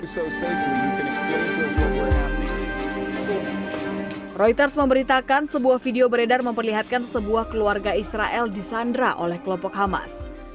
reuters memberitakan sebuah video beredar memperlihatkan sebuah keluarga israel disandra oleh kelompok hamas